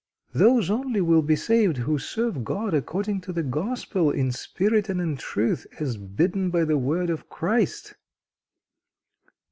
Those only will be saved, who serve God according to the Gospel, in spirit and in truth, as bidden by the word of Christ."